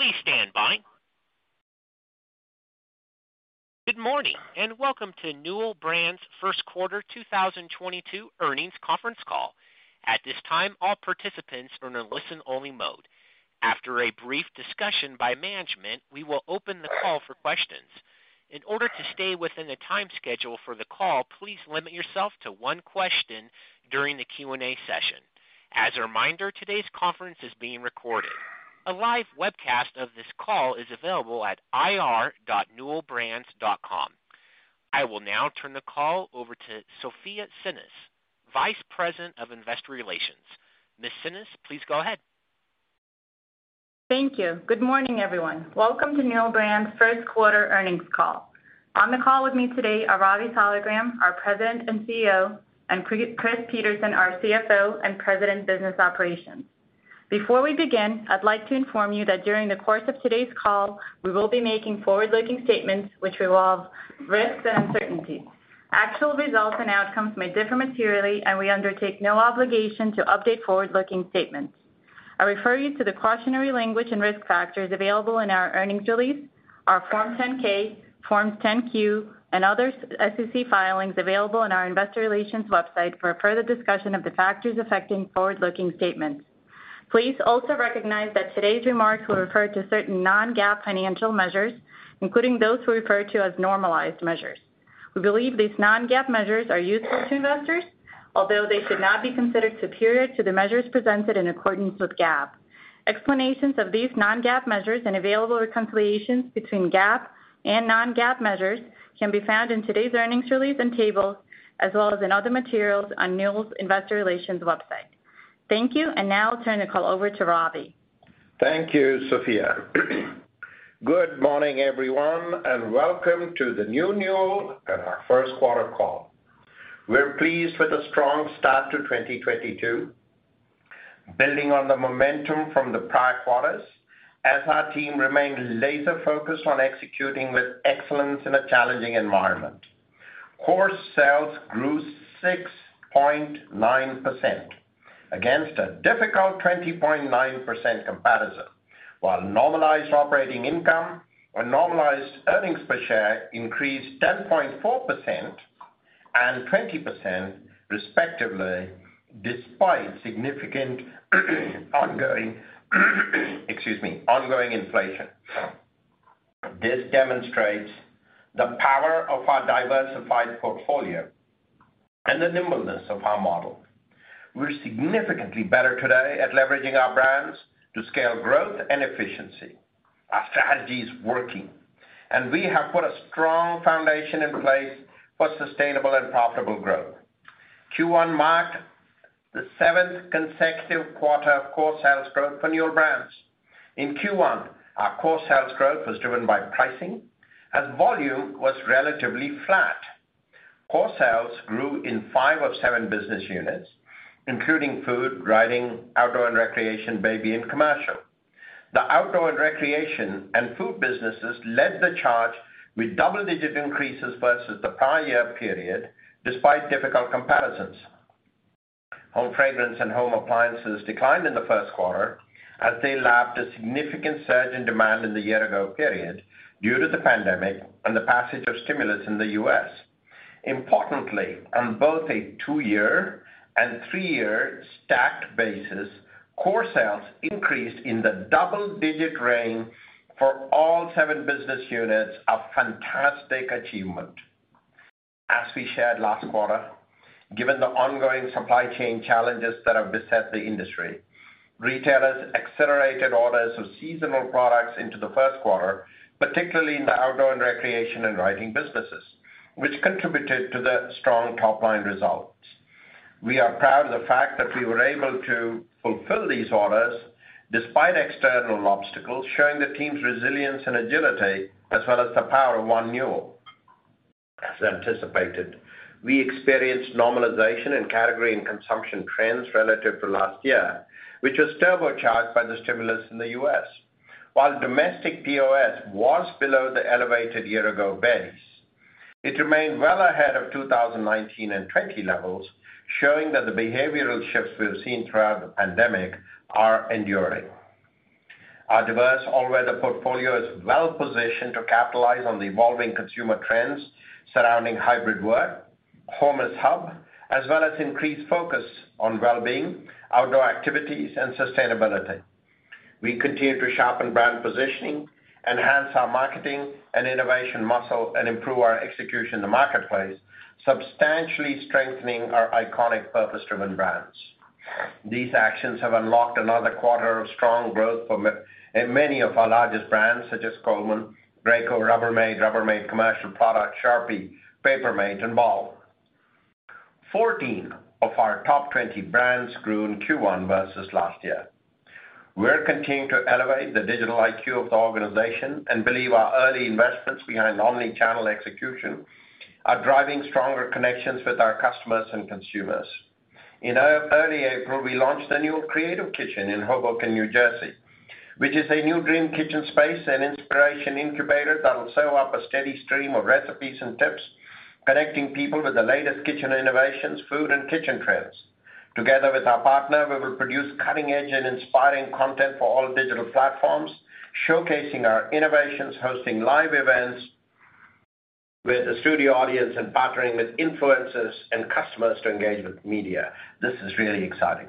Please stand by. Good morning, and welcome to Newell Brands' First Quarter 2022 Earnings Conference Call. At this time, all participants are in a listen-only mode. After a brief discussion by management, we will open the call for questions. In order to stay within the time schedule for the call, please limit yourself to one question during the Q&A session. As a reminder, today's conference is being recorded. A live webcast of this call is available at ir.newellbrands.com. I will now turn the call over to Sofya Tsinis, Vice President of Investor Relations. Ms. Tsinis, please go ahead. Thank you. Good morning, everyone. Welcome to Newell Brands' first quarter earnings call. On the call with me today are Ravi Saligram, our President and CEO, and Chris Peterson, our CFO and President Business Operations. Before we begin, I'd like to inform you that during the course of today's call, we will be making forward-looking statements which involve risks and uncertainties. Actual results and outcomes may differ materially, and we undertake no obligation to update forward-looking statements. I refer you to the cautionary language and risk factors available in our earnings release, our Form 10-K, Forms 10-Q, and other SEC filings available on our investor relations website for a further discussion of the factors affecting forward-looking statements. Please also recognize that today's remarks will refer to certain non-GAAP financial measures, including those we refer to as normalized measures. We believe these non-GAAP measures are useful to investors, although they should not be considered superior to the measures presented in accordance with GAAP. Explanations of these non-GAAP measures and available reconciliations between GAAP and non-GAAP measures can be found in today's earnings release and tables, as well as in other materials on Newell Brands' investor relations website. Thank you, and now I'll turn the call over to Ravi. Thank you, Sofia. Good morning, everyone, and welcome to the new Newell and our first quarter call. We're pleased with a strong start to 2022, building on the momentum from the prior quarters as our team remained laser-focused on executing with excellence in a challenging environment. Core sales grew 6.9% against a difficult 20.9% comparison, while normalized operating income and normalized earnings per share increased 10.4% and 20% respectively, despite significant ongoing inflation. This demonstrates the power of our diversified portfolio and the nimbleness of our model. We're significantly better today at leveraging our brands to scale growth and efficiency. Our strategy is working, and we have put a strong foundation in place for sustainable and profitable growth. Q1 marked the seventh consecutive quarter of core sales growth for Newell Brands. In Q1, our core sales growth was driven by pricing and volume was relatively flat. Core sales grew in five of seven business units, including food, writing, outdoor and recreation, baby, and commercial. The outdoor and recreation and food businesses led the charge with double-digit increases versus the prior year period, despite difficult comparisons. Home fragrance and home appliances declined in the first quarter as they lapped a significant surge in demand in the year-ago period due to the pandemic and the passage of stimulus in the U.S. Importantly, on both a two-year and three-year stacked basis, core sales increased in the double-digit range for all seven business units, a fantastic achievement. As we shared last quarter, given the ongoing supply chain challenges that have beset the industry, retailers accelerated orders of seasonal products into the first quarter, particularly in the Outdoor & Recreation and writing businesses, which contributed to the strong top-line results. We are proud of the fact that we were able to fulfill these orders despite external obstacles, showing the team's resilience and agility, as well as the power of One Newell. As anticipated, we experienced normalization in category and consumption trends relative to last year, which was turbocharged by the stimulus in the U.S. While domestic POS was below the elevated year-ago base, it remained well ahead of 2019 and 2020 levels, showing that the behavioral shifts we've seen throughout the pandemic are enduring. Our diverse all-weather portfolio is well-positioned to capitalize on the evolving consumer trends surrounding hybrid work, home as hub, as well as increased focus on well-being, outdoor activities, and sustainability. We continue to sharpen brand positioning, enhance our marketing and innovation muscle, and improve our execution in the marketplace, substantially strengthening our iconic purpose-driven brands. These actions have unlocked another quarter of strong growth for many of our largest brands, such as Coleman, Graco, Rubbermaid Commercial Products, Sharpie, Paper Mate, and Baldwin. 14 of our top 20 brands grew in Q1 versus last year. We're continuing to elevate the digital IQ of the organization and believe our early investments behind omnichannel execution are driving stronger connections with our customers and consumers. In early April, we launched the new Creative Kitchen in Hoboken, New Jersey, which is a new dream kitchen space and inspiration incubator that'll serve up a steady stream of recipes and tips, connecting people with the latest kitchen innovations, food, and kitchen trends. Together with our partner, we will produce cutting-edge and inspiring content for all digital platforms, showcasing our innovations, hosting live events with a studio audience, and partnering with influencers and customers to engage with media. This is really exciting.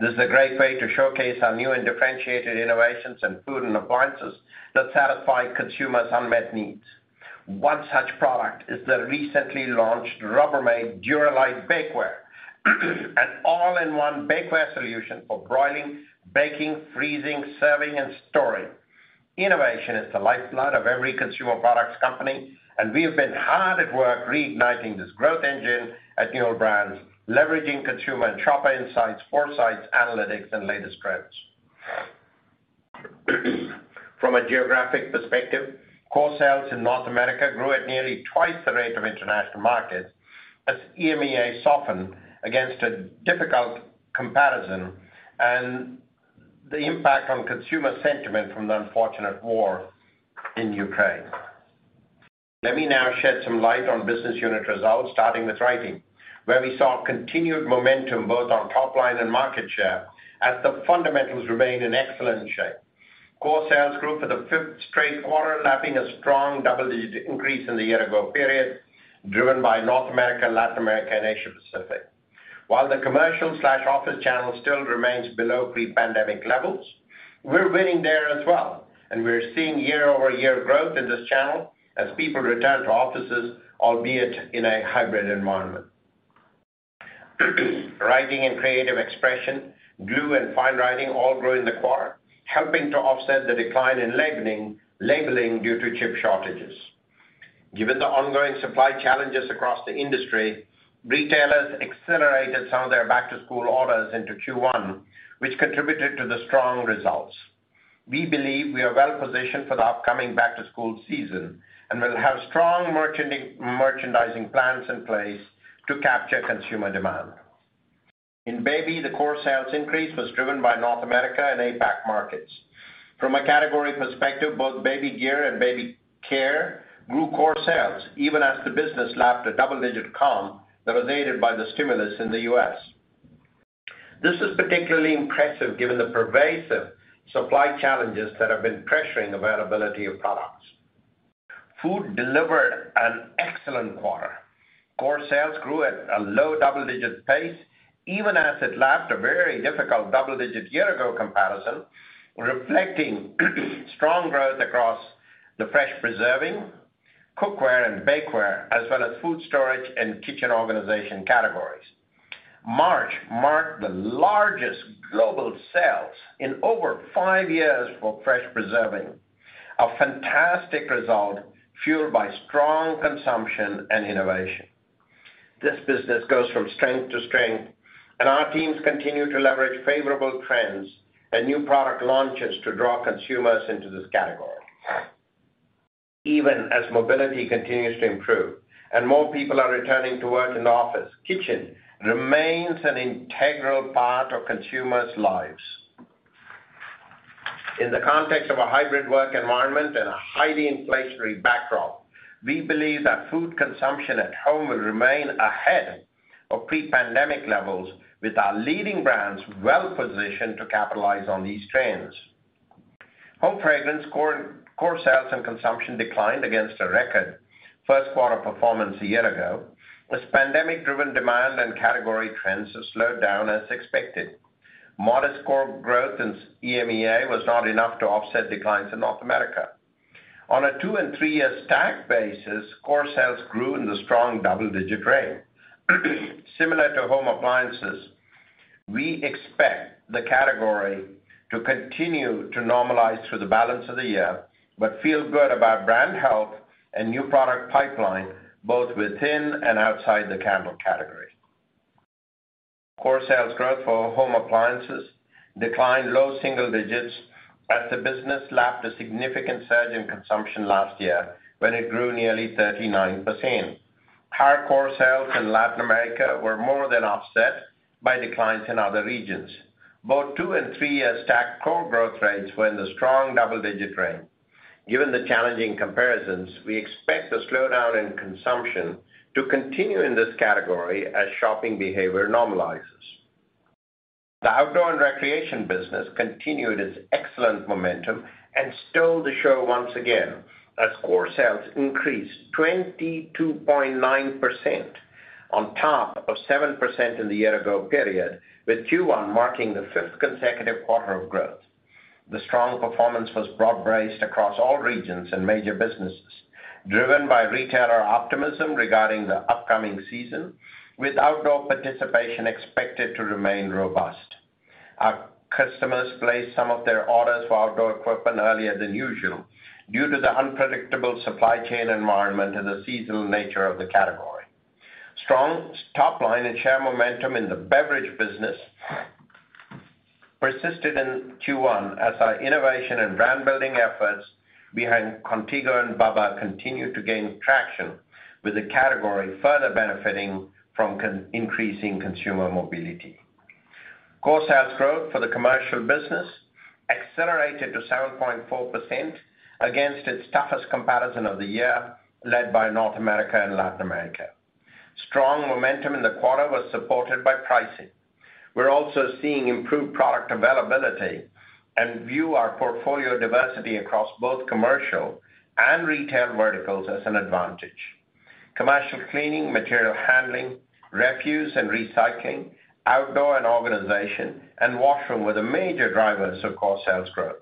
This is a great way to showcase our new and differentiated innovations in food and appliances that satisfy consumers' unmet needs. One such product is the recently launched Rubbermaid DuraLite Bakeware, an all-in-one bakeware solution for broiling, baking, freezing, serving, and storing. Innovation is the lifeblood of every consumer products company, and we have been hard at work reigniting this growth engine at Newell Brands, leveraging consumer and shopper insights, foresights, analytics, and latest trends. From a geographic perspective, core sales in North America grew at nearly twice the rate of international markets as EMEA softened against a difficult comparison and the impact on consumer sentiment from the unfortunate war in Ukraine. Let me now shed some light on business unit results, starting with Writing, where we saw continued momentum both on top line and market share as the fundamentals remained in excellent shape. Core sales grew for the fifth straight quarter, lapping a strong double-digit increase in the year ago period, driven by North America, Latin America, and Asia Pacific. While the commercial/office channel still remains below pre-pandemic levels, we're winning there as well, and we're seeing year-over-year growth in this channel as people return to offices, albeit in a hybrid environment. Writing and creative expression, glue, and fine writing all grew in the quarter, helping to offset the decline in labeling due to chip shortages. Given the ongoing supply challenges across the industry, retailers accelerated some of their back-to-school orders into Q1, which contributed to the strong results. We believe we are well-positioned for the upcoming back-to-school season and will have strong merchandising plans in place to capture consumer demand. In Baby, the core sales increase was driven by North America and APAC markets. From a category perspective, both baby gear and baby care grew core sales, even as the business lapped a double-digit comp that was aided by the stimulus in the US. This is particularly impressive given the pervasive supply challenges that have been pressuring availability of products. Food delivered an excellent quarter. Core sales grew at a low double-digit pace, even as it lapped a very difficult double-digit year ago comparison, reflecting strong growth across the fresh preserving, cookware, and bakeware, as well as food storage and kitchen organization categories. March marked the largest global sales in over five years for fresh preserving, a fantastic result fueled by strong consumption and innovation. This business goes from strength to strength, and our teams continue to leverage favorable trends and new product launches to draw consumers into this category. Even as mobility continues to improve and more people are returning to work in the office, kitchen remains an integral part of consumers' lives. In the context of a hybrid work environment and a highly inflationary backdrop, we believe that food consumption at home will remain ahead of pre-pandemic levels, with our leading brands well-positioned to capitalize on these trends. Home Fragrance core sales and consumption declined against a record first quarter performance a year ago as pandemic-driven demand and category trends have slowed down as expected. Modest core growth in EMEA was not enough to offset declines in North America. On a two- and three-year stack basis, core sales grew in the strong double-digit range. Similar to Home Appliances, we expect the category to continue to normalize through the balance of the year, but feel good about brand health and new product pipeline, both within and outside the candle category. Core sales growth for Home Appliances declined low single digits as the business lapped a significant surge in consumption last year when it grew nearly 39%. Higher core sales in Latin America were more than offset by declines in other regions. Both two- and three-year stack core growth rates were in the strong double-digit range. Given the challenging comparisons, we expect the slowdown in consumption to continue in this category as shopping behavior normalizes. The Outdoor & Recreation business continued its excellent momentum and stole the show once again as core sales increased 22.9% on top of 7% in the year ago period, with Q1 marking the fifth consecutive quarter of growth. The strong performance was broad-based across all regions and major businesses, driven by retailer optimism regarding the upcoming season, with outdoor participation expected to remain robust. Our customers placed some of their orders for outdoor equipment earlier than usual due to the unpredictable supply chain environment and the seasonal nature of the category. Strong top line and share momentum in the Beverage business persisted in Q1 as our innovation and brand-building efforts behind Contigo and bubba continued to gain traction, with the category further benefiting from increasing consumer mobility. Core sales growth for the commercial business accelerated to 7.4% against its toughest comparison of the year, led by North America and Latin America. Strong momentum in the quarter was supported by pricing. We're also seeing improved product availability and view our portfolio diversity across both commercial and retail verticals as an advantage. Commercial cleaning, material handling, refuse and recycling, outdoor and organization, and washroom were the major drivers of core sales growth,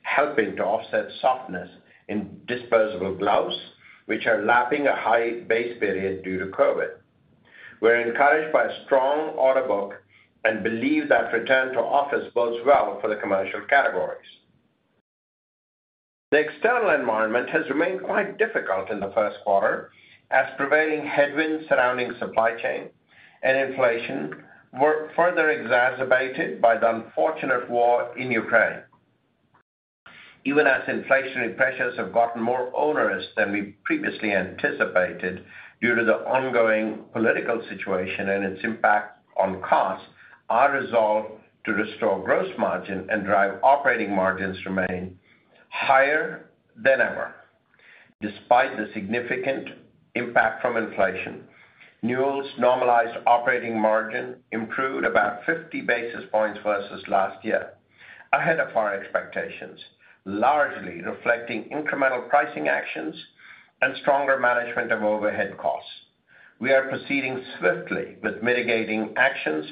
helping to offset softness in disposable gloves, which are lapping a high base period due to COVID. We're encouraged by a strong order book and believe that return to office bodes well for the commercial categories. The external environment has remained quite difficult in the first quarter as prevailing headwinds surrounding supply chain and inflation were further exacerbated by the unfortunate war in Ukraine. Even as inflationary pressures have gotten more onerous than we previously anticipated due to the ongoing political situation and its impact on costs, our resolve to restore gross margin and drive operating margins remain higher than ever. Despite the significant impact from inflation, Newell's normalized operating margin improved about 50 basis points versus last year, ahead of our expectations, largely reflecting incremental pricing actions and stronger management of overhead costs. We are proceeding swiftly with mitigating actions,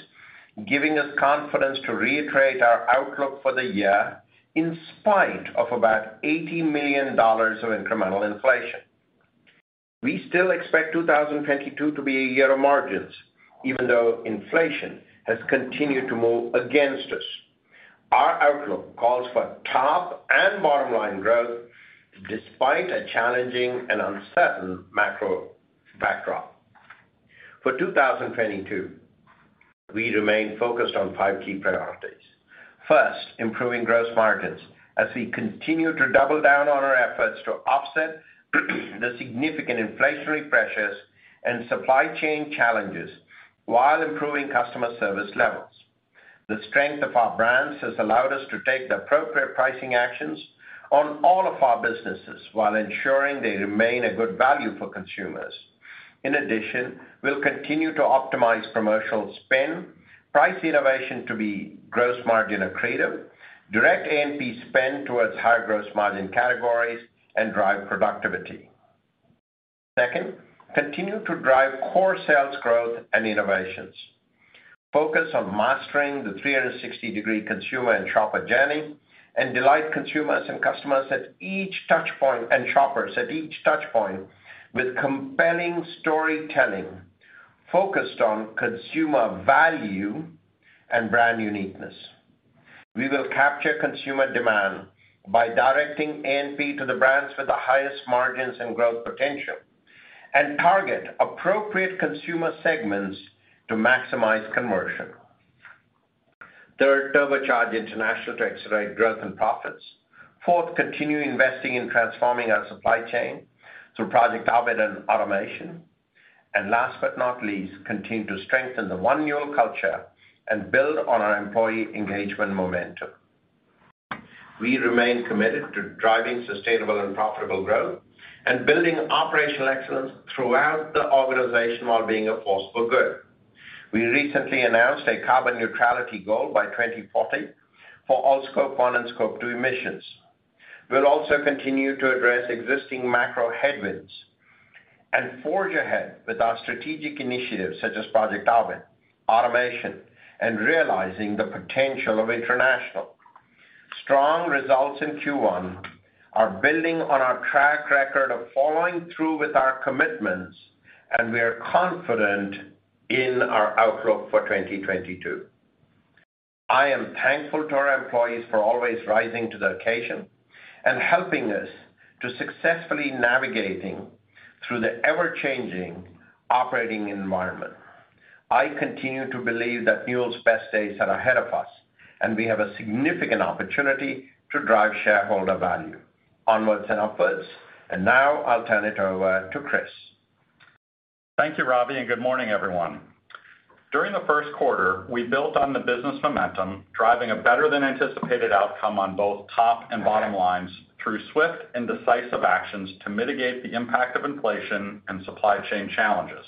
giving us confidence to reiterate our outlook for the year in spite of about $80 million of incremental inflation. We still expect 2022 to be a year of margins, even though inflation has continued to move against us. Our outlook calls for top and bottom line growth despite a challenging and uncertain macro backdrop. For 2022, we remain focused on five key priorities. First, improving gross margins as we continue to double down on our efforts to offset the significant inflationary pressures and supply chain challenges while improving customer service levels. The strength of our brands has allowed us to take the appropriate pricing actions on all of our businesses while ensuring they remain a good value for consumers. In addition, we'll continue to optimize commercial spend, price innovation to be gross margin accretive, direct A&P spend towards higher gross margin categories, and drive productivity. Second, continue to drive core sales growth and innovations. Focus on mastering the 360-degree consumer and shopper journey, and delight consumers and customers at each touch point, and shoppers at each touch point with compelling storytelling focused on consumer value and brand uniqueness. We will capture consumer demand by directing A&P to the brands with the highest margins and growth potential, and target appropriate consumer segments to maximize conversion. Third, turbocharge international to accelerate growth and profits. Fourth, continue investing in transforming our supply chain through Project Ovid and automation. Last but not least, continue to strengthen the One Newell culture and build on our employee engagement momentum. We remain committed to driving sustainable and profitable growth and building operational excellence throughout the organization while being a force for good. We recently announced a carbon neutrality goal by 2040 for all Scope 1 and Scope 2 emissions. We'll also continue to address existing macro headwinds and forge ahead with our strategic initiatives such as Project Ovid, automation, and realizing the potential of international. Strong results in Q1 are building on our track record of following through with our commitments, and we are confident in our outlook for 2022. I am thankful to our employees for always rising to the occasion and helping us to successfully navigating through the ever-changing operating environment. I continue to believe that Newell's best days are ahead of us, and we have a significant opportunity to drive shareholder value. Onwards and upwards. Now I'll turn it over to Chris. Thank you, Ravi, and good morning, everyone. During the first quarter, we built on the business momentum, driving a better than anticipated outcome on both top and bottom lines through swift and decisive actions to mitigate the impact of inflation and supply chain challenges.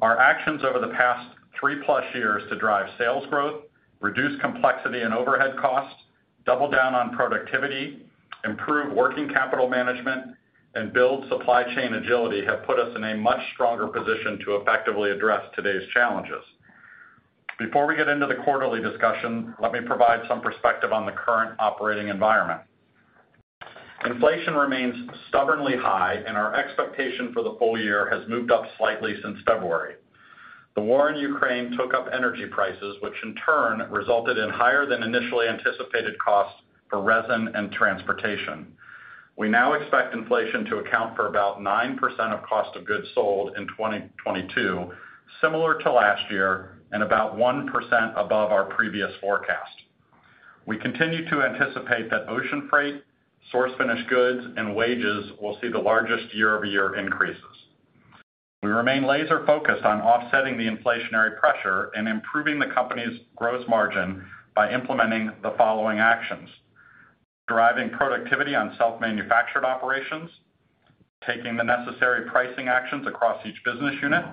Our actions over the past three-plus years to drive sales growth, reduce complexity and overhead costs, double down on productivity, improve working capital management, and build supply chain agility have put us in a much stronger position to effectively address today's challenges. Before we get into the quarterly discussion, let me provide some perspective on the current operating environment. Inflation remains stubbornly high, and our expectation for the full year has moved up slightly since February. The war in Ukraine drove up energy prices, which in turn resulted in higher than initially anticipated costs for resin and transportation. We now expect inflation to account for about 9% of cost of goods sold in 2022, similar to last year and about 1% above our previous forecast. We continue to anticipate that ocean freight, source finished goods, and wages will see the largest year-over-year increases. We remain laser focused on offsetting the inflationary pressure and improving the company's gross margin by implementing the following actions. Driving productivity on self-manufactured operations, taking the necessary pricing actions across each business unit,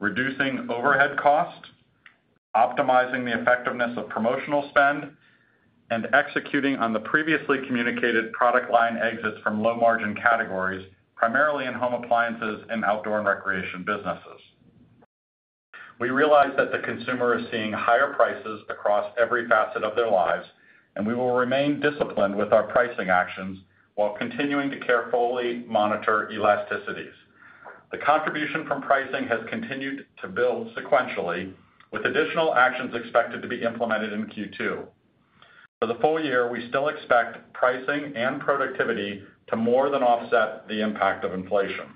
reducing overhead costs, optimizing the effectiveness of promotional spend, and executing on the previously communicated product line exits from low-margin categories, primarily in home appliances and outdoor and recreation businesses. We realize that the consumer is seeing higher prices across every facet of their lives, and we will remain disciplined with our pricing actions while continuing to carefully monitor elasticities. The contribution from pricing has continued to build sequentially, with additional actions expected to be implemented in Q2. For the full year, we still expect pricing and productivity to more than offset the impact of inflation.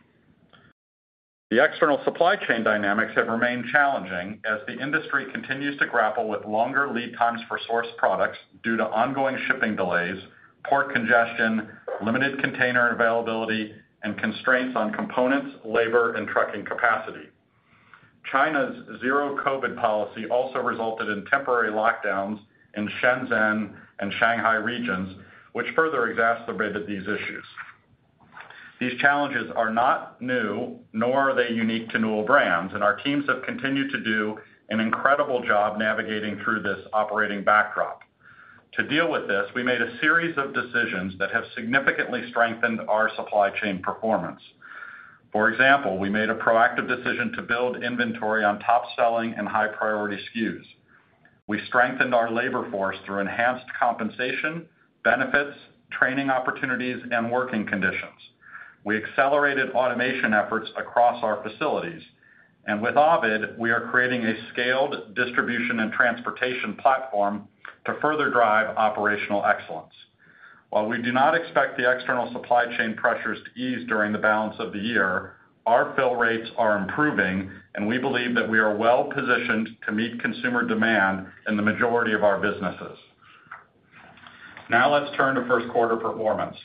The external supply chain dynamics have remained challenging as the industry continues to grapple with longer lead times for sourced products due to ongoing shipping delays, port congestion, limited container availability, and constraints on components, labor, and trucking capacity. China's Zero-COVID policy also resulted in temporary lockdowns in Shenzhen and Shanghai regions, which further exacerbated these issues. These challenges are not new, nor are they unique to Newell Brands, and our teams have continued to do an incredible job navigating through this operating backdrop. To deal with this, we made a series of decisions that have significantly strengthened our supply chain performance. For example, we made a proactive decision to build inventory on top-selling and high-priority SKUs. We strengthened our labor force through enhanced compensation, benefits, training opportunities, and working conditions. We accelerated automation efforts across our facilities. With Ovid, we are creating a scaled distribution and transportation platform to further drive operational excellence. While we do not expect the external supply chain pressures to ease during the balance of the year, our fill rates are improving, and we believe that we are well-positioned to meet consumer demand in the majority of our businesses. Now let's turn to first quarter performance.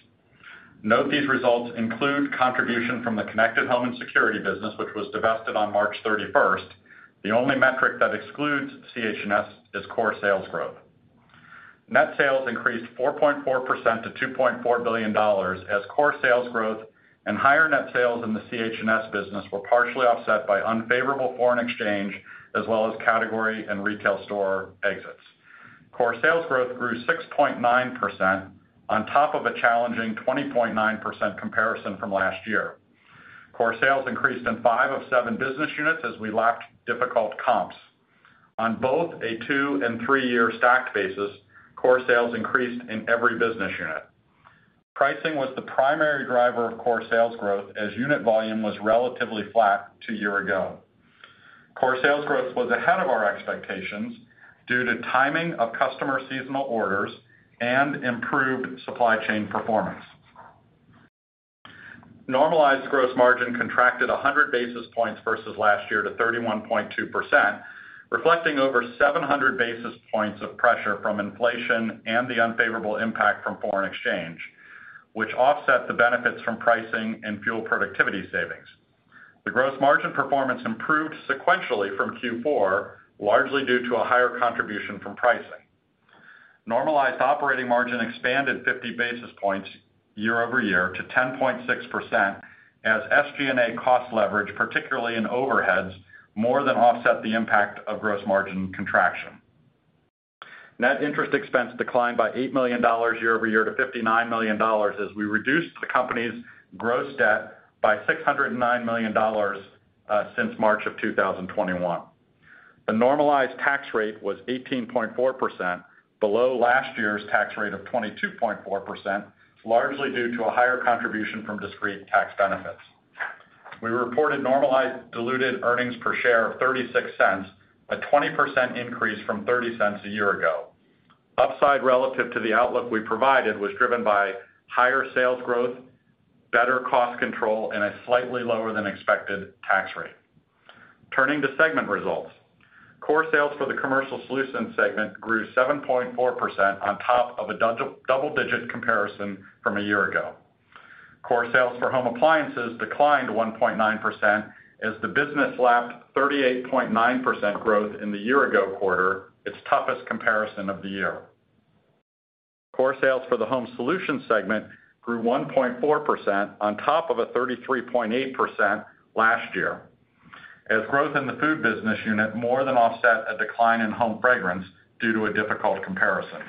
Note these results include contribution from the Connected Home & Security business, which was divested on March 31st. The only metric that excludes CH&S is core sales growt. Net sales increased 4.4% to $2.4 billion as core sales growth and higher net sales in the CH&S business were partially offset by unfavorable foreign exchange as well as category and retail store exits. Core sales growth grew 6.9% on top of a challenging 20.9% comparison from last year. Core sales increased in five of seven business units as we lapped difficult comps. On both a two- and three-year stacked basis, core sales increased in every business unit. Pricing was the primary driver of core sales growth as unit volume was relatively flat to a year ago. Core sales growth was ahead of our expectations due to timing of customer seasonal orders and improved supply chain performance. Normalized gross margin contracted 100 basis points versus last year to 31.2%, reflecting over 700 basis points of pressure from inflation and the unfavorable impact from foreign exchange, which offset the benefits from pricing and fuel productivity savings. The gross margin performance improved sequentially from Q4, largely due to a higher contribution from pricing. Normalized operating margin expanded 50 basis points year-over-year to 10.6% as SG&A cost leverage, particularly in overheads, more than offset the impact of gross margin contraction. Net interest expense declined by $8 million year-over-year to $59 million as we reduced the company's gross debt by $609 million since March of 2021. The normalized tax rate was 18.4%, below last year's tax rate of 22.4%, largely due to a higher contribution from discrete tax benefits. We reported normalized diluted earnings per share of $0.36, a 20% increase from $0.30 a year ago. Upside relative to the outlook we provided was driven by higher sales growth, better cost control, and a slightly lower than expected tax rate. Turning to segment results. Core sales for the Commercial Solutions segment grew 7.4% on top of a double-digit comparison from a year ago. Core sales for Home Appliances declined 1.9% as the business lapped 38.9% growth in the year-ago quarter, its toughest comparison of the year. Core sales for the Home Solutions segment grew 1.4% on top of a 33.8% last year, as growth in the food business unit more than offset a decline in home fragrance due to a difficult comparison.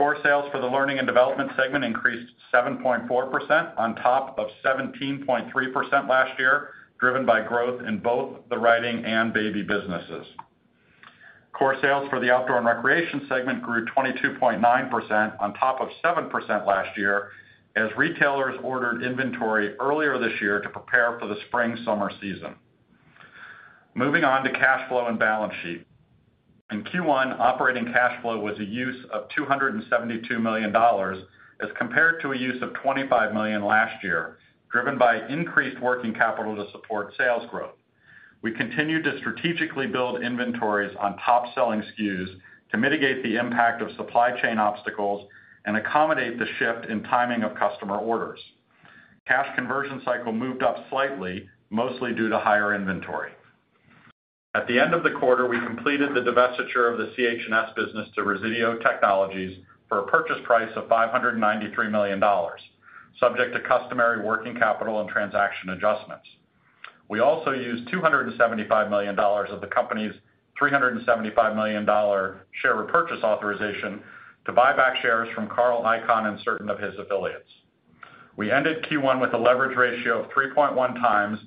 Core sales for the Learning & Development segment increased 7.4% on top of 17.3% last year, driven by growth in both the writing and baby businesses. Core sales for the Outdoor & Recreation segment grew 22.9% on top of 7% last year as retailers ordered inventory earlier this year to prepare for the spring-summer season. Moving on to cash flow and balance sheet. In Q1, operating cash flow was a use of $272 million as compared to a use of $25 million last year, driven by increased working capital to support sales growth. We continue to strategically build inventories on top-selling SKUs to mitigate the impact of supply chain obstacles and accommodate the shift in timing of customer orders. Cash conversion cycle moved up slightly, mostly due to higher inventory. At the end of the quarter, we completed the divestiture of the CH&S business to Resideo Technologies for a purchase price of $593 million, subject to customary working capital and transaction adjustments. We also used $275 million of the company's $375 million share repurchase authorization to buy back shares from Carl Icahn and certain of his affiliates. We ended Q1 with a leverage ratio of 3.1x,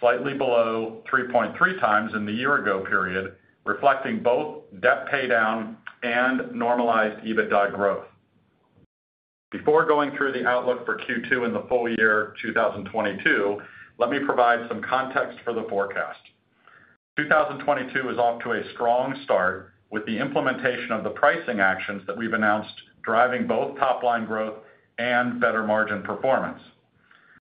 slightly below 3.3x in the year ago period, reflecting both debt paydown and normalized EBITDA growth. Before going through the outlook for Q2 and the full year 2022, let me provide some context for the forecast. 2022 is off to a strong start with the implementation of the pricing actions that we've announced driving both top line growth and better margin performance.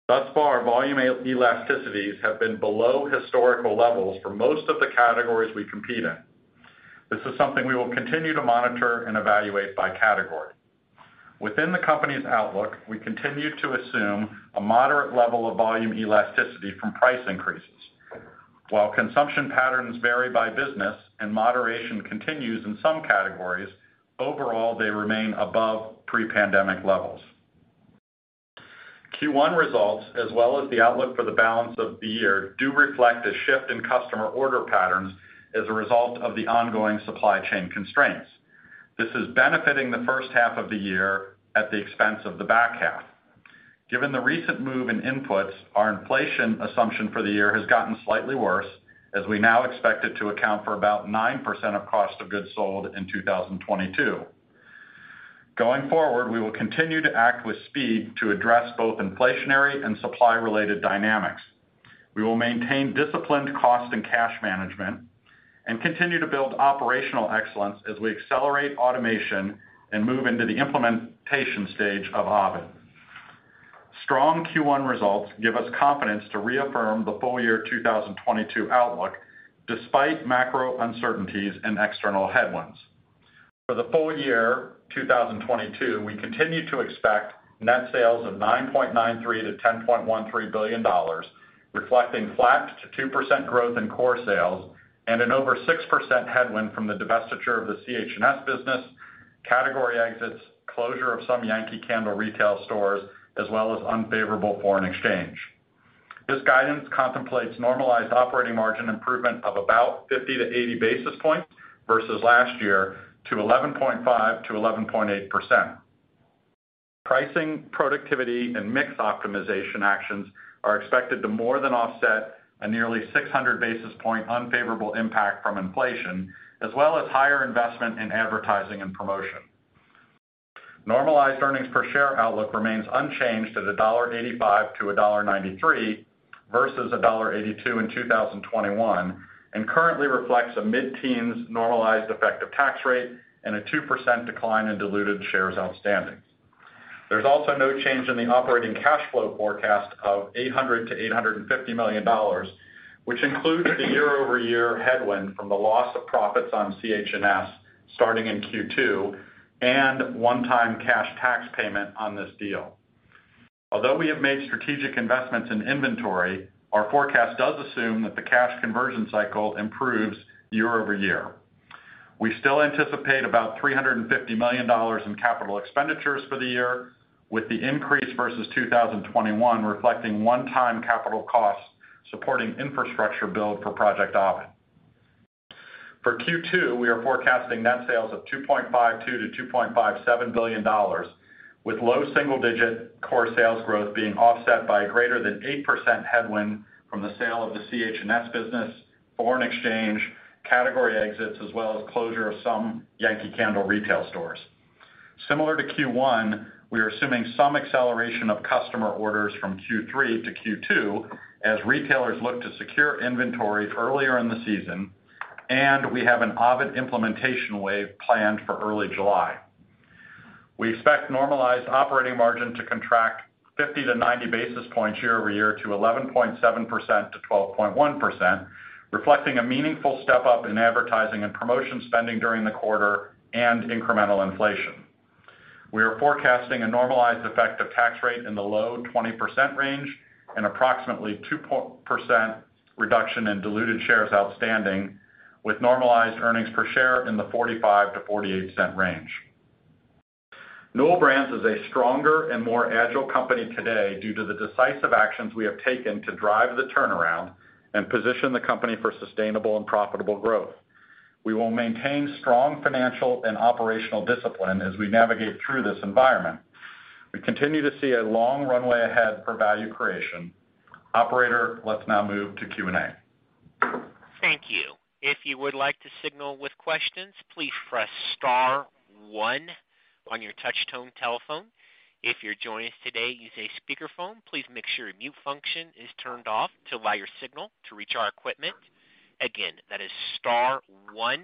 Thus far, volume elasticities have been below historical levels for most of the categories we compete in. This is something we will continue to monitor and evaluate by category. Within the company's outlook, we continue to assume a moderate level of volume elasticity from price increases. While consumption patterns vary by business and moderation continues in some categories, overall, they remain above pre-pandemic levels. Q1 results, as well as the outlook for the balance of the year, do reflect a shift in customer order patterns as a result of the ongoing supply chain constraints. This is benefiting the first half of the year at the expense of the back half. Given the recent move in inputs, our inflation assumption for the year has gotten slightly worse as we now expect it to account for about 9% of cost of goods sold in 2022. Going forward, we will continue to act with speed to address both inflationary and supply-related dynamics. We will maintain disciplined cost and cash management and continue to build operational excellence as we accelerate automation and move into the implementation stage of OVID. Strong Q1 results give us confidence to reaffirm the full year 2022 outlook despite macro uncertainties and external headwinds. For the full year 2022, we continue to expect net sales of $9.93 billion-$10.13 billion, reflecting flat to 2% growth in core sales and an over 6% headwind from the divestiture of the CH&S business, category exits, closure of some Yankee Candle retail stores, as well as unfavorable foreign exchange. This guidance contemplates normalized operating margin improvement of about 50 basis points to 80 basis points versus last year to 11.5%-11.8%. Pricing, productivity, and mix optimization actions are expected to more than offset a nearly 600 basis point unfavorable impact from inflation, as well as higher investment in advertising and promotion. Normalized earnings per share outlook remains unchanged at $1.85-$1.93 versus $1.82 in 2021, and currently reflects a mid-teens% normalized effective tax rate and a 2% decline in diluted shares outstanding. There's also no change in the operating cash flow forecast of $800 million-$850 million, which includes the year-over-year headwind from the loss of profits on CH&S starting in Q2 and one-time cash tax payment on this deal. Although we have made strategic investments in inventory, our forecast does assume that the cash conversion cycle improves year over year. We still anticipate about $350 million in capital expenditures for the year, with the increase versus 2021 reflecting one-time capital costs supporting infrastructure build for Project Ovid. For Q2, we are forecasting net sales of $2.52 billion-$2.57 billion, with low single-digit core sales growth being offset by greater than 8% headwind from the sale of the CH&S business, foreign exchange, category exits, as well as closure of some Yankee Candle retail stores. Similar to Q1, we are assuming some acceleration of customer orders from Q3 to Q2 as retailers look to secure inventory earlier in the season, and we have an OVID implementation wave planned for early July. We expect normalized operating margin to contract 50 basis points-90 basis points year-over-year to 11.7%-12.1%, reflecting a meaningful step-up in advertising and promotion spending during the quarter and incremental inflation. We are forecasting a normalized effective tax rate in the low 20% range and approximately 2% reduction in diluted shares outstanding, with normalized earnings per share in the $0.45-$0.48 range. Newell Brands is a stronger and more agile company today due to the decisive actions we have taken to drive the turnaround and position the company for sustainable and profitable growth. We will maintain strong financial and operational discipline as we navigate through this environment. We continue to see a long runway ahead for value creation. Operator, let's now move to Q&A. Thank you. If you would like to signal with questions, please press star one on your touch tone telephone. If you're joining us today using a speakerphone, please make sure your mute function is turned off to allow your signal to reach our equipment. Again, that is star one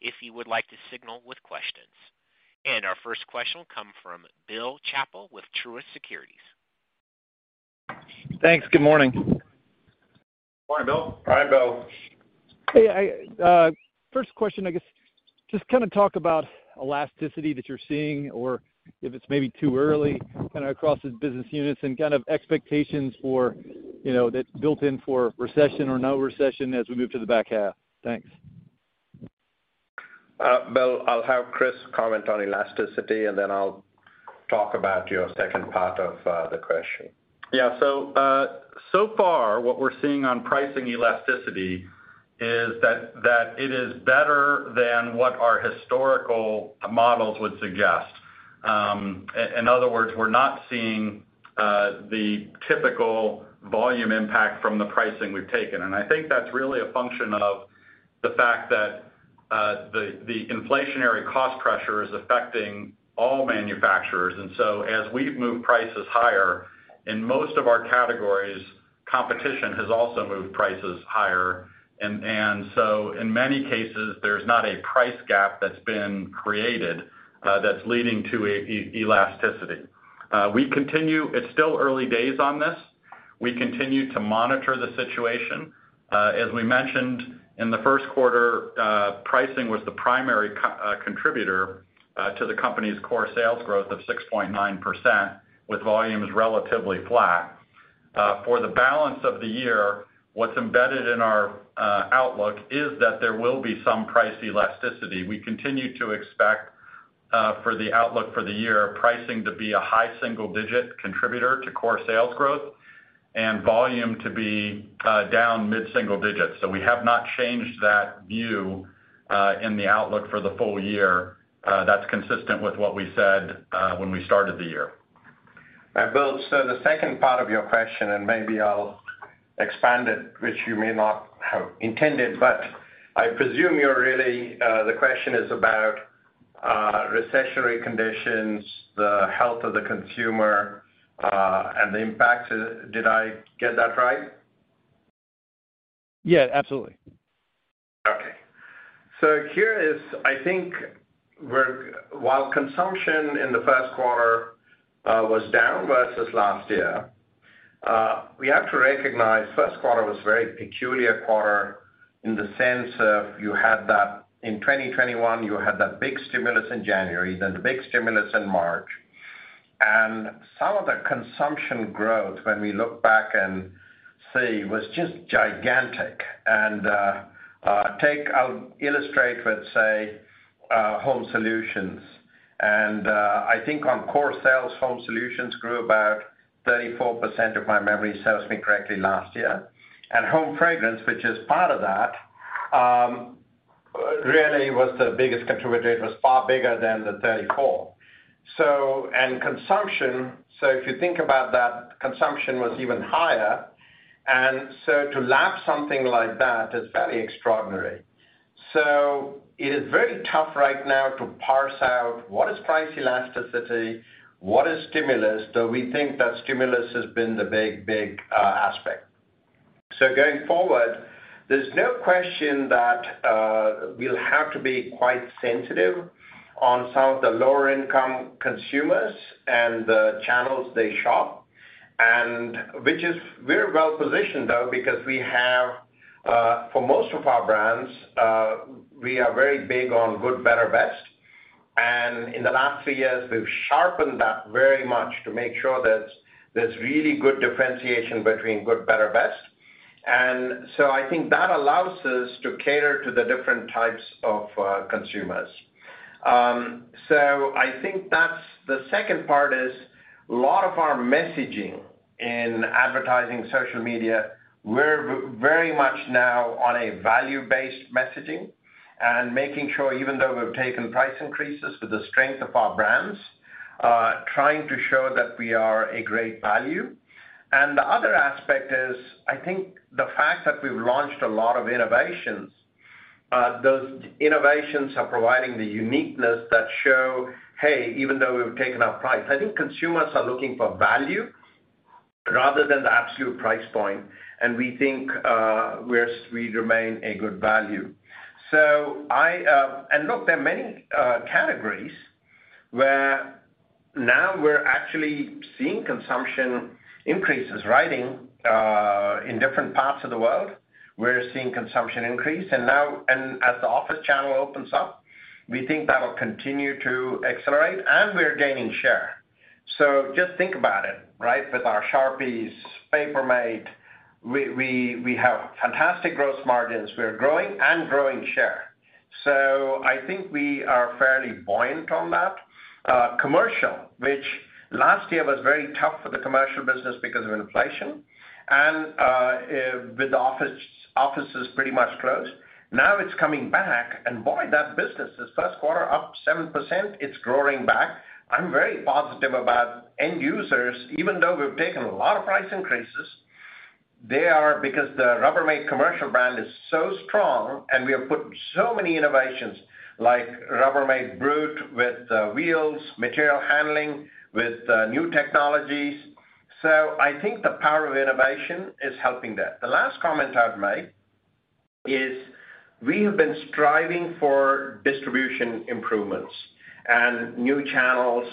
if you would like to signal with questions. Our first question will come from Bill Chappell with Truist Securities. Thanks. Good morning. Morning, Bill. Hi, Bill. Hey, first question, I guess just kind of talk about elasticity that you're seeing or if it's maybe too early, kind of across the business units and guide of expectations for, you know, that built in for recession or no recession as we move to the back half. Thanks. Bill, I'll have Chris comment on elasticity, and then I'll talk about your second part of the question. Yeah. So far, what we're seeing on pricing elasticity is that it is better than what our historical models would suggest. In other words, we're not seeing the typical volume impact from the pricing we've taken. I think that's really a function of the fact that the inflationary cost pressure is affecting all manufacturers. As we've moved prices higher, in most of our categories, competition has also moved prices higher. In many cases, there's not a price gap that's been created that's leading to elasticity. It's still early days on this. We continue to monitor the situation. As we mentioned in the first quarter, pricing was the primary contributor to the company's core sales growth of 6.9%, with volumes relatively flat. For the balance of the year, what's embedded in our outlook is that there will be some price elasticity. We continue to expect for the outlook for the year, pricing to be a high single digit contributor to core sales growth and volume to be down mid-single digits. We have not changed that view in the outlook for the full year. That's consistent with what we said when we started the year. Bill, so the second part of your question, and maybe I'll expand it, which you may not have intended, but I presume you're really, the question is about, recessionary conditions, the health of the consumer, and the impact. Did I get that right? Yeah, absolutely. While consumption in the first quarter was down versus last year, we have to recognize first quarter was very peculiar quarter in the sense of in 2021, you had that big stimulus in January, then the big stimulus in March. Some of the consumption growth, when we look back and see, was just gigantic. I'll illustrate with, say, Home Solutions. I think on core sales, Home Solutions grew about 34%, if my memory serves me correctly, last year. Home Fragrance, which is part of that, really was the biggest contributor. It was far bigger than the 34. Consumption, so if you think about that, consumption was even higher. To lap something like that is very extraordinary. It is very tough right now to parse out what is price elasticity, what is stimulus, though we think that stimulus has been the big aspect. Going forward, there's no question that we'll have to be quite sensitive on some of the lower income consumers and the channels they shop, and which is very well positioned, though, because we have for most of our brands we are very big on good, better, best. In the last three years, we've sharpened that very much to make sure there's really good differentiation between good, better, best. I think that allows us to cater to the different types of consumers. I think the second part is a lot of our messaging in advertising, social media. We're very much now on a value-based messaging and making sure even though we've taken price increases with the strength of our brands, trying to show that we are a great value. The other aspect is, I think the fact that we've launched a lot of innovations, those innovations are providing the uniqueness that show, hey, even though we've taken our price. I think consumers are looking for value rather than the absolute price point, and we think we remain a good value. Look, there are many categories where now we're actually seeing consumption increases. Writing, in different parts of the world, we're seeing consumption increase. As the office channel opens up, we think that'll continue to accelerate, and we're gaining share. Just think about it, right? With our Sharpies, Paper Mate, we have fantastic gross margins. We are growing and growing share. I think we are fairly buoyant on that. Commercial, which last year was very tough for the commercial business because of inflation and with the office, offices pretty much closed. Now it's coming back, and boy, that business is first quarter up 7%. It's growing back. I'm very positive about end users, even though we've taken a lot of price increases. They are because the Rubbermaid Commercial brand is so strong, and we have put so many innovations like Rubbermaid BRUTE with wheels, material handling with new technologies. I think the power of innovation is helping that. The last comment I'd make is we have been striving for distribution improvements and new channels,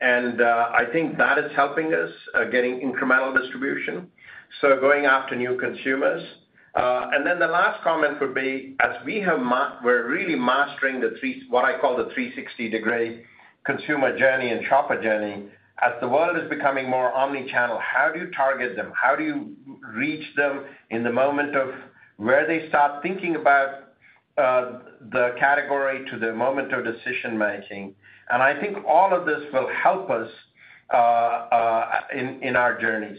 and I think that is helping us getting incremental distribution, so going after new consumers. The last comment would be, as we're really mastering the 360, what I call the 360-degree consumer journey and shopper journey, as the world is becoming more omni-channel, how do you target them? How do you reach them in the moment where they start thinking about the category to the moment of decision making? I think all of this will help us in our journey.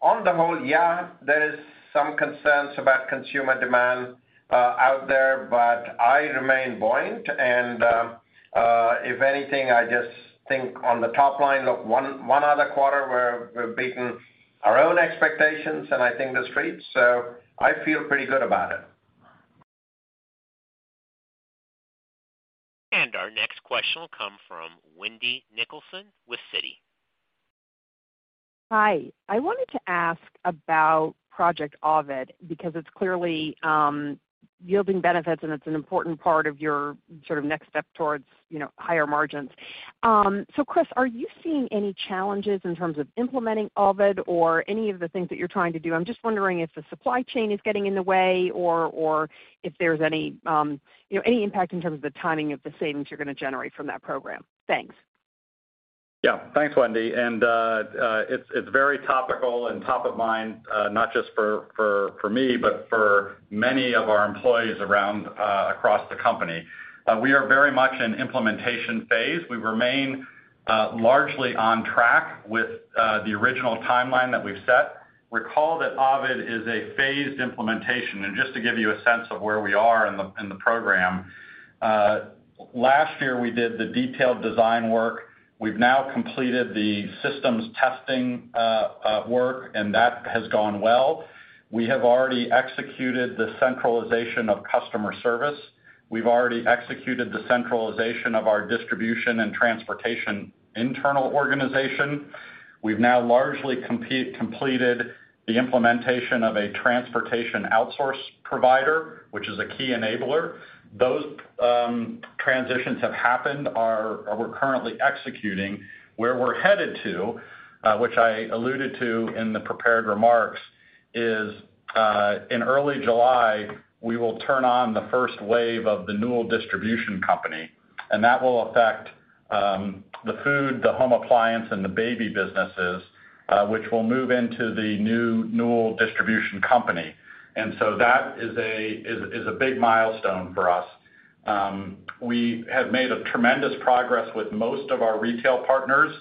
On the whole, yeah, there is some concerns about consumer demand out there, but I remain buoyant and, if anything, I just think on the top line, look, one other quarter we're beating our own expectations and I think the Street's, so I feel pretty good about it. Our next question will come from Wendy Nicholson with Citi. Hi, I wanted to ask about Project Ovid because it's clearly yielding benefits and it's an important part of your sort of next step towards, you know, higher margins. Chris, are you seeing any challenges in terms of implementing Ovid or any of the things that you're trying to do? I'm just wondering if the supply chain is getting in the way or if there's any, you know, any impact in terms of the timing of the savings you're gonna generate from that program. Thanks. Yeah. Thanks, Wendy. It's very topical and top of mind, not just for me, but for many of our employees around across the company. We are very much in implementation phase. We remain largely on track with the original timeline that we've set. Recall that Ovid is a phased implementation, and just to give you a sense of where we are in the program, last year we did the detailed design work. We've now completed the systems testing work, and that has gone well. We have already executed the centralization of customer service. We've already executed the centralization of our distribution and transportation internal organization. We've now largely completed the implementation of a transportation outsource provider, which is a key enabler. Those transitions have happened. We're currently executing. Where we're headed to, which I alluded to in the prepared remarks, is in early July, we will turn on the first wave of the Newell Distribution Center, and that will affect the food, the home appliance, and the baby businesses, which will move into the new Newell Distribution Center. That is a big milestone for us. We have made a tremendous progress with most of our retail partners.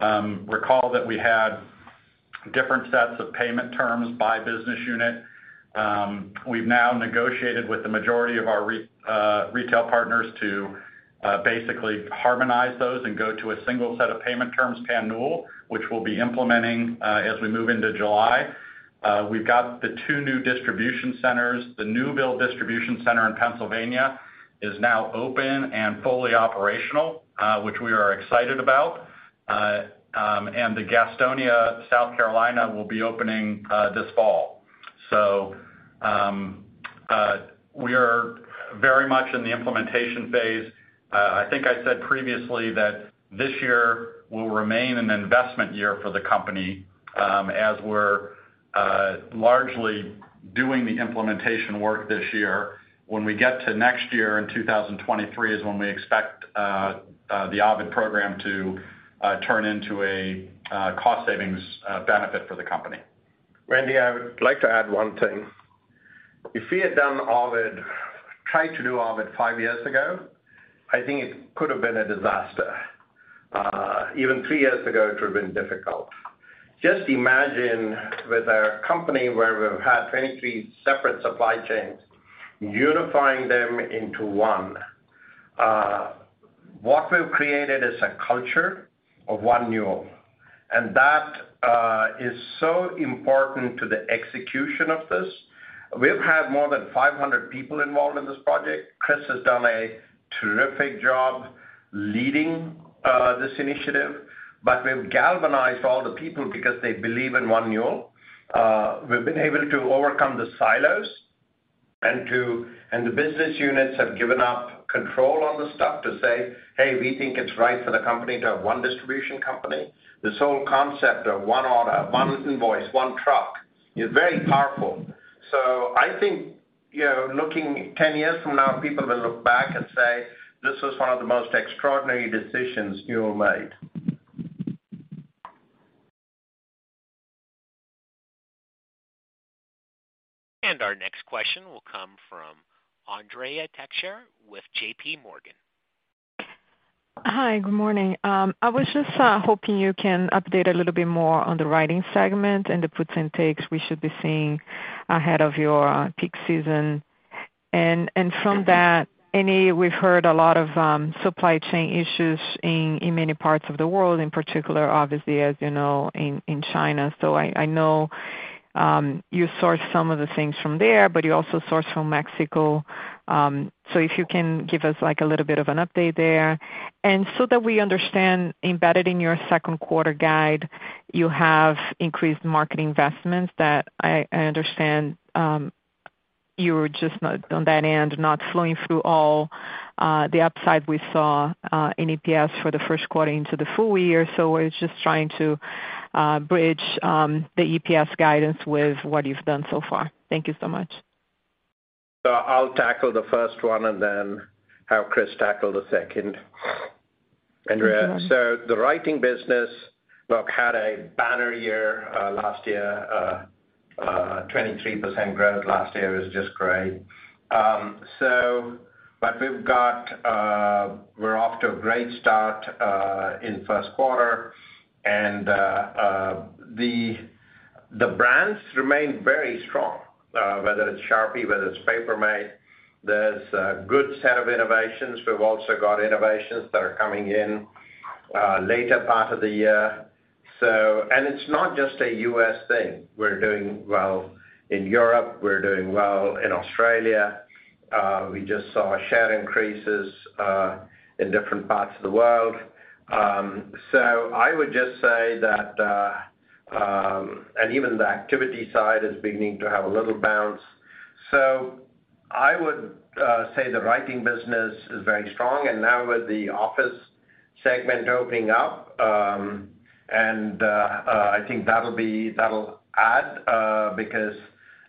Recall that we had different sets of payment terms by business unit. We've now negotiated with the majority of our retail partners to basically harmonize those and go to a single set of payment terms pan-Newell, which we'll be implementing as we move into July. We've got the two new distribution centers. The Newville Distribution Center in Pennsylvania is now open and fully operational, which we are excited about. The Gastonia, North Carolina, will be opening this fall. We are very much in the implementation phase. I think I said previously that this year will remain an investment year for the company, as we're largely doing the implementation work this year. When we get to next year in 2023 is when we expect the Project Ovid to turn into a cost savings benefit for the company. Wendy, I would like to add one thing. If we had done Ovid, tried to do Ovid five years ago, I think it could have been a disaster. Even three years ago, it would have been difficult. Just imagine with a company where we've had 23 separate supply chains, unifying them into one. What we've created is a culture of One Newell, and that is so important to the execution of this. We've had more than 500 people involved in this project. Chris has done a terrific job leading this initiative, but we've galvanized all the people because they believe in One Newell. We've been able to overcome the silos and the business units have given up control enough to say, "Hey, we think it's right for the company to have one distribution company." This whole concept of one order, one invoice, one truck is very powerful. I think, you know, looking 10 years from now, people will look back and say, "This was one of the most extraordinary decisions Newell made. Our next question will come from Andrea Teixeira with JPMorgan. Hi, good morning. I was just hoping you can update a little bit more on the Writing segment and the puts and takes we should be seeing ahead of your peak season. From that, we've heard a lot of supply chain issues in many parts of the world, in particular, obviously, as you know, in China. I know you source some of the things from there, but you also source from Mexico. If you can give us like a little bit of an update there. That we understand, embedded in your second quarter guide, you have increased marketing investments that I understand you were just not, on that end, flowing through all the upside we saw in EPS for the first quarter into the full year. I was just trying to bridge the EPS guidance with what you've done so far. Thank you so much. I'll tackle the first one and then have Chris tackle the second. Thank you. Andrea. The writing business, look, had a banner year last year. 23% growth last year is just great. We're off to a great start in first quarter, and the brands remain very strong, whether it's Sharpie, whether it's Paper Mate. There's a good set of innovations. We've also got innovations that are coming in later part of the year. It's not just a U.S. thing. We're doing well in Europe. We're doing well in Australia. We just saw share increases in different parts of the world. I would just say that even the activity side is beginning to have a little bounce. I would say the writing business is very strong, now with the office segment opening up, I think that'll add, because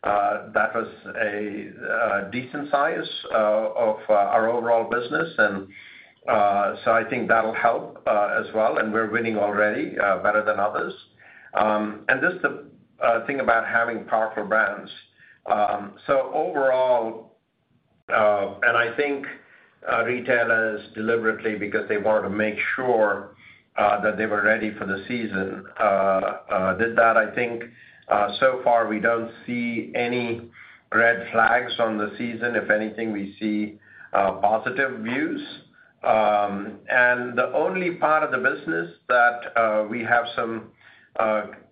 that was a decent size of our overall business. I think that'll help as well, and we're winning already better than others. This is the thing about having powerful brands. I think retailers deliberately because they want to make sure that they were ready for the season did that. I think so far we don't see any red flags on the season. If anything, we see positive views. The only part of the business that we have some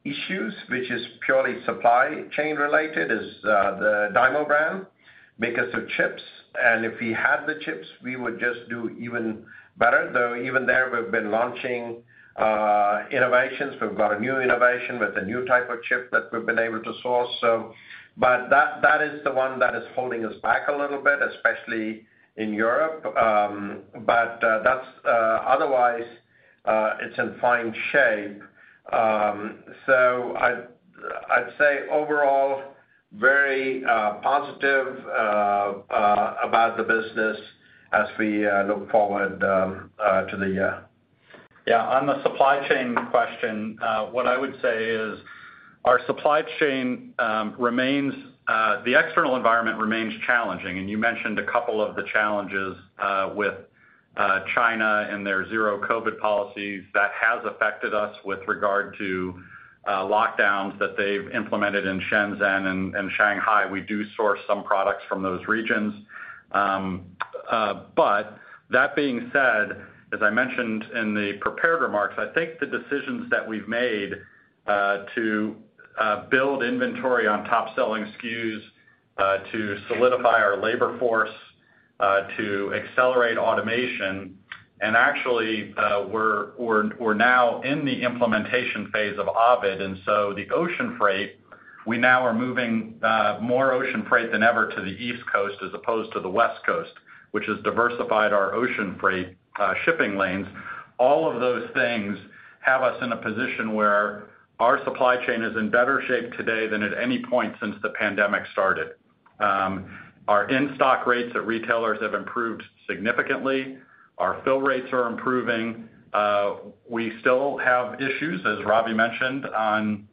issues, which is purely supply chain related, is the DYMO brand, because of chips. If we had the chips, we would just do even better, though even there we've been launching innovations. We've got a new innovation with a new type of chip that we've been able to source. That is the one that is holding us back a little bit, especially in Europe. Otherwise, it's in fine shape. I'd say overall very positive about the business as we look forward to the year. Yeah. On the supply chain question, what I would say is our supply chain remains the external environment remains challenging, and you mentioned a couple of the challenges with China and their Zero-COVID policies. That has affected us with regard to lockdowns that they've implemented in Shenzhen and Shanghai. We do source some products from those regions. That being said, as I mentioned in the prepared remarks, I think the decisions that we've made to build inventory on top-selling SKUs to solidify our labor force to accelerate automation, and actually, we're now in the implementation phase of OVID. The ocean freight, we now are moving more ocean freight than ever to the East Coast as opposed to the West Coast, which has diversified our ocean freight shipping lanes. All of those things have us in a position where our supply chain is in better shape today than at any point since the pandemic started. Our in-stock rates at retailers have improved significantly. Our fill rates are improving. We still have issues, as Ravi mentioned, on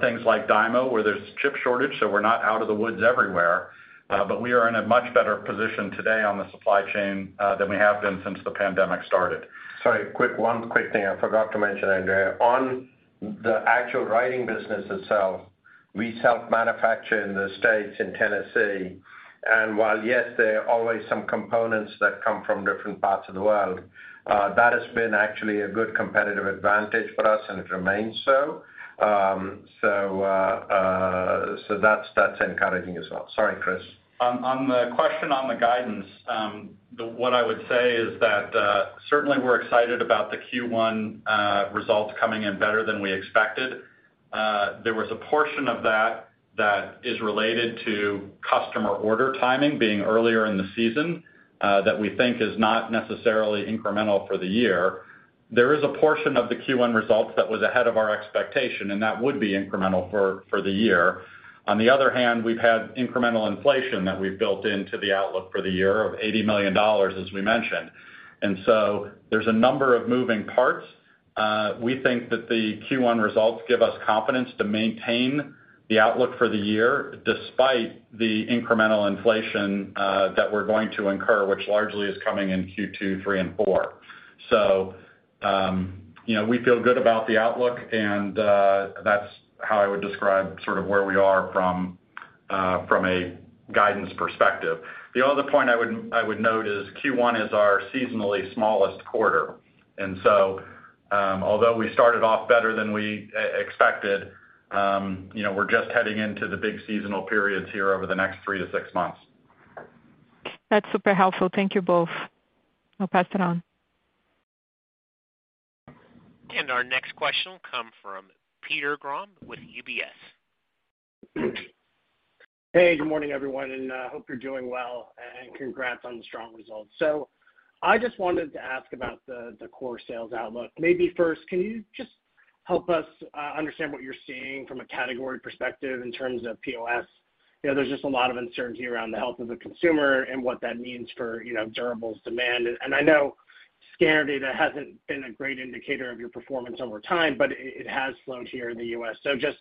things like DYMO, where there's chip shortage, so we're not out of the woods everywhere. We are in a much better position today on the supply chain than we have been since the pandemic started. Sorry, quick, one quick thing I forgot to mention, Andrea. On the actual writing business itself, we self-manufacture in the States, in Tennessee. While yes, there are always some components that come from different parts of the world, that has been actually a good competitive advantage for us and it remains so. That's encouraging as well. Sorry, Chris. On the question on the guidance, what I would say is that certainly we're excited about the Q1 results coming in better than we expected. There was a portion of that that is related to customer order timing being earlier in the season that we think is not necessarily incremental for the year. There is a portion of the Q1 results that was ahead of our expectation, and that would be incremental for the year. On the other hand, we've had incremental inflation that we've built into the outlook for the year of $80 million, as we mentioned. There's a number of moving parts. We think that the Q1 results give us confidence to maintain the outlook for the year despite the incremental inflation that we're going to incur, which largely is coming in Q2, Q3, and Q4. You know, we feel good about the outlook, and that's how I would describe sort of where we are from a guidance perspective. The other point I would note is Q1 is our seasonally smallest quarter. Although we started off better than we expected, you know, we're just heading into the big seasonal periods here over the next three to six months. That's super helpful. Thank you both. I'll pass it on. Next question will come from Peter Grom with UBS. Hey, good morning, everyone, and hope you're doing well, and congrats on the strong results. I just wanted to ask about the core sales outlook. Maybe first, can you just help us understand what you're seeing from a category perspective in terms of POS? You know, there's just a lot of uncertainty around the health of the consumer and what that means for, you know, durables demand. I know scan data hasn't been a great indicator of your performance over time, but it has slowed here in the U.S. Just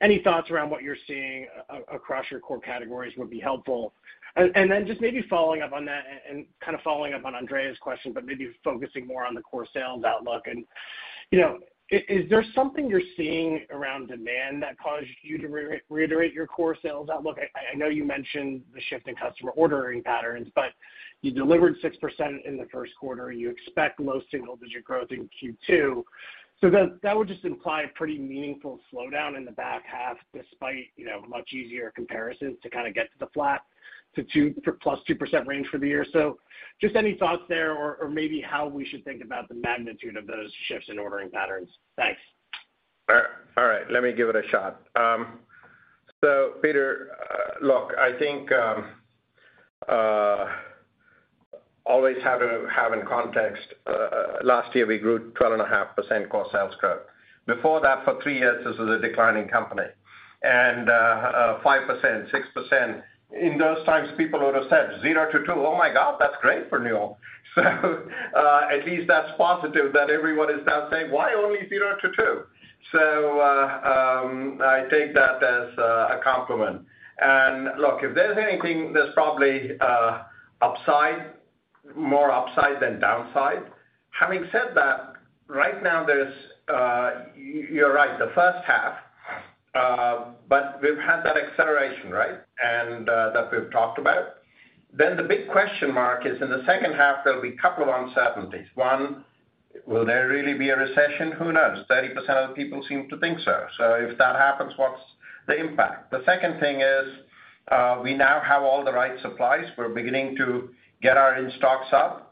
any thoughts around what you're seeing across your core categories would be helpful. Then just maybe following up on that and kind of following up on Andrea's question, but maybe focusing more on the core sales outlook. Is there something you're seeing around demand that caused you to reiterate your core sales outlook? I know you mentioned the shift in customer ordering patterns, but you delivered 6% in the first quarter and you expect low single-digit growth in Q2. That would just imply a pretty meaningful slowdown in the back half despite, you know, much easier comparisons to kind of get to the flat to 2% to +2% range for the year. Just any thoughts there or maybe how we should think about the magnitude of those shifts in ordering patterns. Thanks. All right, let me give it a shot. Peter, look, I think always have to have in context. Last year we grew 12.5% core sales growth. Before that, for three years, this was a declining company. Five percent, six percent, in those times, people would have said, "0%-2%? Oh my God, that's great for Newell." I take that as a compliment. Look, if there's anything, there's probably upside, more upside than downside. Having said that, right now there's, you're right, the first half, but we've had that acceleration, right? That we've talked about. The big question mark is in the second half, there'll be a couple of uncertainties. One, will there really be a recession? Who knows? 30% of the people seem to think so. If that happens, what's the impact? The second thing is, we now have all the right supplies. We're beginning to get our in-stocks up.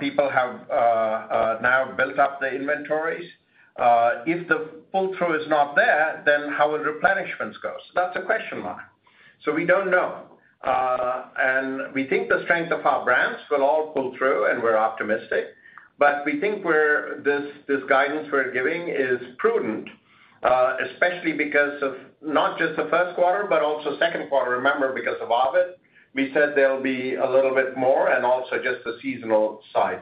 People have now built up the inventories. If the pull-through is not there, then how will replenishments go? That's a question mark. We don't know. We think the strength of our brands will all pull through, and we're optimistic. We think this guidance we're giving is prudent, especially because of not just the first quarter, but also second quarter. Remember, because of Abbott, we said there'll be a little bit more and also just the seasonal side.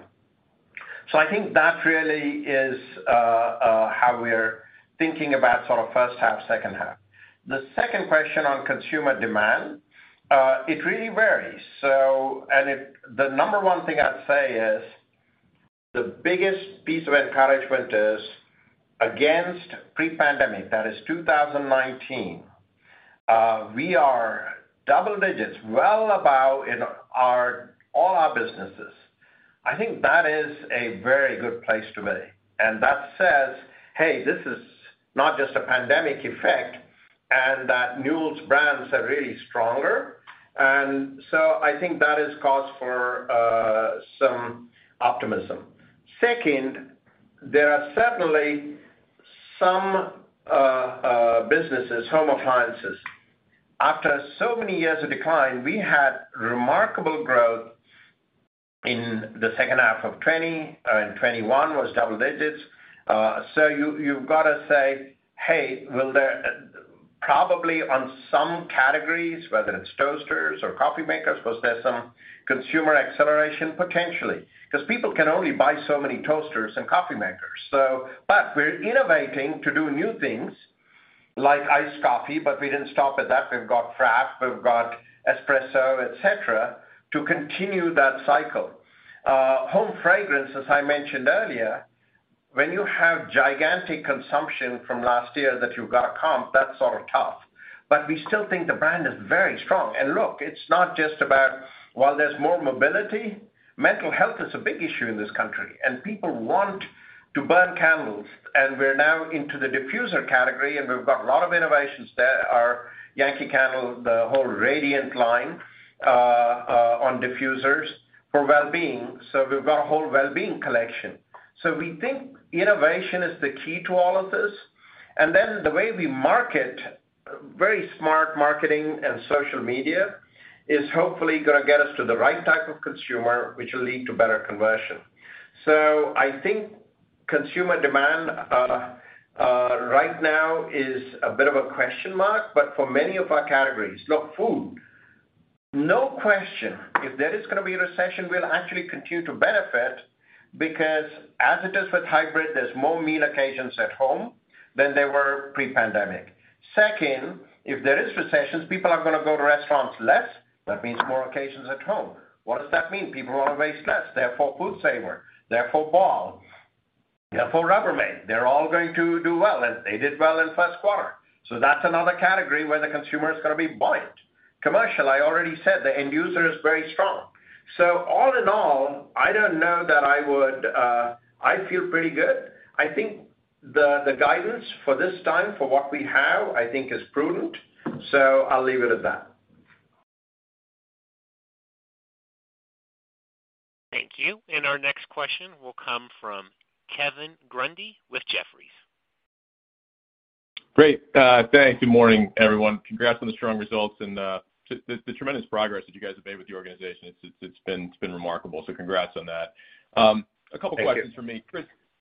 I think that really is how we're thinking about sort of first half, second half. The second question on consumer demand, it really varies. The number one thing I'd say is the biggest piece of encouragement is against pre-pandemic, that is 2019, we are double digits, well above in our all our businesses. I think that is a very good place to be. That says, "Hey, this is not just a pandemic effect," and that Newell Brands are really stronger. I think that is cause for some optimism. Second, there are certainly some businesses, Home Appliances. After so many years of decline, we had remarkable growth in the second half of 2020, and 2021 was double digits. Probably on some categories, whether it's toasters or coffee makers, was there some consumer acceleration? Potentially. 'Cause people can only buy so many toasters and coffee makers. We're innovating to do new things like iced coffee, but we didn't stop at that. We've got frappe, we've got espresso, et cetera, to continue that cycle. Home fragrance, as I mentioned earlier, when you have gigantic consumption from last year that you've got to comp, that's sort of tough. We still think the brand is very strong. Look, it's not just about while there's more mobility, mental health is a big issue in this country, and people want to burn candles. We're now into the diffuser category, and we've got a lot of innovations there. Our Yankee Candle, the whole radiant line, on diffusers for wellbeing. We've got a whole wellbeing collection. We think innovation is the key to all of this. The way we market, very smart marketing and social media, is hopefully gonna get us to the right type of consumer, which will lead to better conversion. I think consumer demand, right now is a bit of a question mark, but for many of our categories. Look, food, no question, if there is gonna be a recession, we'll actually continue to benefit because as it is with hybrid, there's more meal occasions at home than there were pre-pandemic. Second, if there is recessions, people are gonna go to restaurants less. That means more occasions at home. What does that mean? People wanna waste less, therefore FoodSaver, therefore Ball, therefore Rubbermaid. They're all going to do well, and they did well in first quarter. That's another category where the consumer is gonna be buoyant. Commercial, I already said, the end user is very strong. All in all, I don't know that I would, I feel pretty good. I think the guidance for this time, for what we have, I think is prudent. I'll leave it at that. Thank you. Our next question will come from Kevin Grundy with Jefferies. Great. Thanks. Good morning, everyone. Congrats on the strong results and the tremendous progress that you guys have made with the organization. It's been remarkable. So congrats on that. A couple questions from me.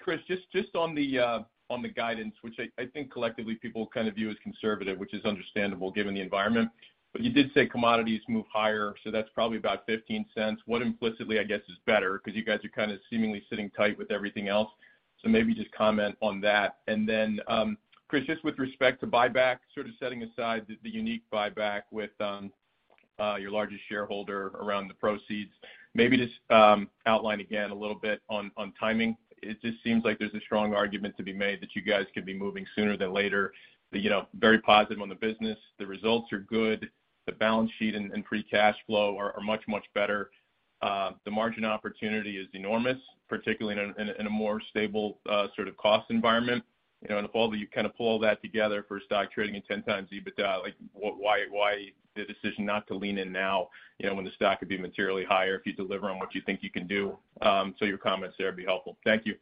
Chris, just on the guidance, which I think collectively people kind of view as conservative, which is understandable given the environment. You did say commodities move higher, so that's probably about $0.15. What implicitly, I guess, is better? 'Cause you guys are kinda seemingly sitting tight with everything else. So maybe just comment on that. Then, Chris, just with respect to buyback, sort of setting aside the unique buyback with your largest shareholder around the proceeds, maybe just outline again a little bit on timing. It just seems like there's a strong argument to be made that you guys could be moving sooner than later. You know, very positive on the business. The results are good. The balance sheet and free cash flow are much better. The margin opportunity is enormous, particularly in a more stable sort of cost environment. You know, and if all that you kind of pull all that together for a stock trading at 10 times EBITDA, like, why the decision not to lean in now, you know, when the stock could be materially higher if you deliver on what you think you can do? Your comments there would be helpful. Thank you.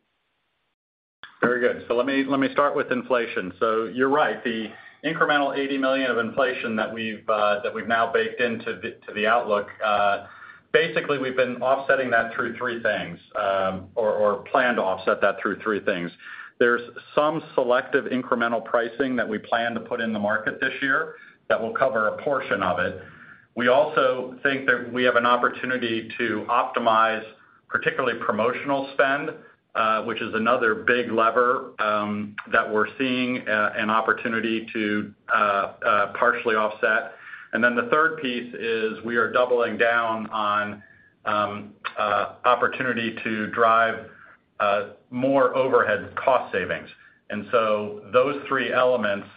Very good. Let me start with inflation. You're right. The incremental $80 million of inflation that we've now baked into the outlook, basically we've been offsetting that through three things, or plan to offset that through three things. There's some selective incremental pricing that we plan to put in the market this year that will cover a portion of it. We also think that we have an opportunity to optimize, particularly promotional spend, which is another big lever, that we're seeing an opportunity to partially offset. Then the third piece is we are doubling down on opportunity to drive more overhead cost savings. Those three elements,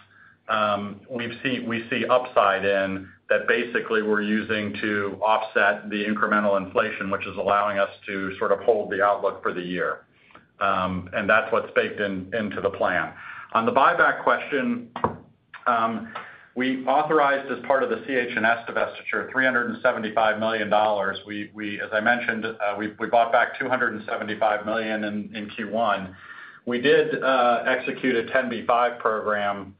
we see upside in that basically we're using to offset the incremental inflation, which is allowing us to sort of hold the outlook for the year. That's what's baked into the plan. On the buyback question, we authorized as part of the CH&S divestiture $375 million. As I mentioned, we bought back $275 million in Q1. We did execute a 10b5-1 program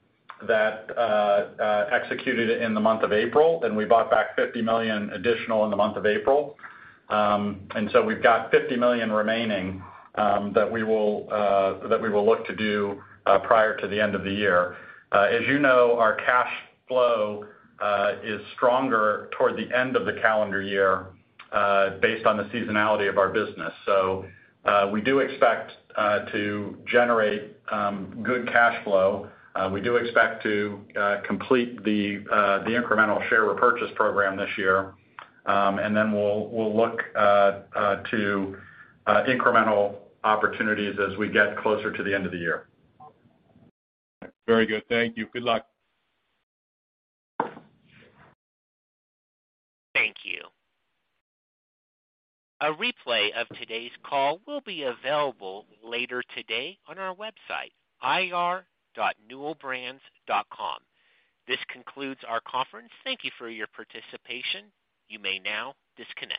that executed it in the month of April, and we bought back $50 million additional in the month of April. We've got $50 million remaining that we will look to do prior to the end of the year. As you know, our cash flow is stronger toward the end of the calendar year based on the seasonality of our business. We do expect to generate good cash flow. We do expect to complete the incremental share repurchase program this year. We'll look to incremental opportunities as we get closer to the end of the year. Very good. Thank you. Good luck. Thank you. A replay of today's call will be available later today on our website, ir.newellbrands.com. This concludes our conference. Thank you for your participation. You may now disconnect.